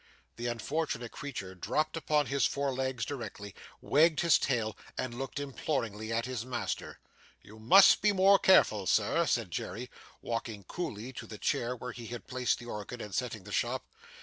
The unfortunate creature dropped upon his fore legs directly, wagged his tail, and looked imploringly at his master. 'You must be more careful, Sir,' said Jerry, walking coolly to the chair where he had placed the organ, and setting the stop.